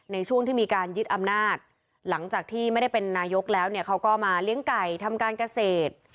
ในช่วงที่มีการยึดอำนาจหลังจากที่ไม่ได้เป็นนายกแล้วเนี่ยเขาก็มาเลี้ยงไก่ทำการเกษตร